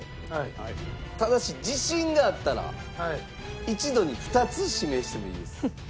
ただし自信があったら一度に２つ指名してもいいです。